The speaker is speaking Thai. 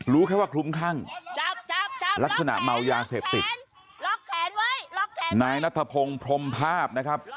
รู้แค่ว่าคลุ้มข้างลักษณะเมายาเสพติดนายนัทพงศ์พรมภาพนะครับ